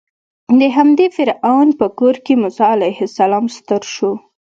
د همدې فرعون په کور کې موسی علیه السلام ستر شو.